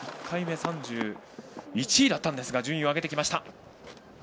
１回目は３１位だったんですが順位を上げました。